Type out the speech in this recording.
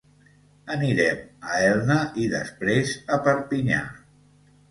Anirem a Elna i després a Perpinyà.